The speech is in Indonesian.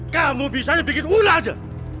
kamu bisa bikin ular aja